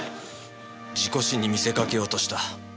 事故死に見せかけようとした。